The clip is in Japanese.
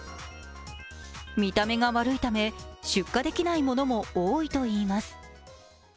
見た目が悪いため、出荷できないものも多いといいます。